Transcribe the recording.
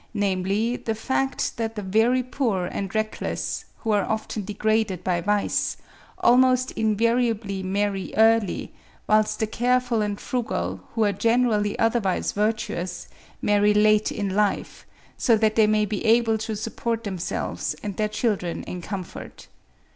namely, the fact that the very poor and reckless, who are often degraded by vice, almost invariably marry early, whilst the careful and frugal, who are generally otherwise virtuous, marry late in life, so that they may be able to support themselves and their children in comfort.